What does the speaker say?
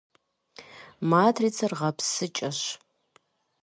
Матрицэр гъэпсыкӀэщ.